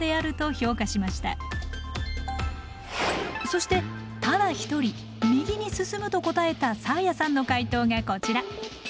そしてただ一人右に進むと答えたサーヤさんの解答がこちら。